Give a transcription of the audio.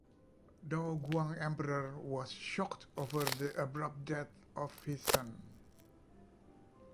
Daoguang Emperor was shocked over the abrupt death of his son.